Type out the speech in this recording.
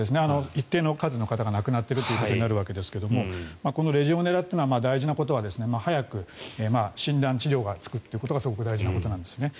一定の数が亡くなっているということになるわけですがこのレジオネラというのは大事なことは早く診断、治療がつくことがすごく大事なことなんですね。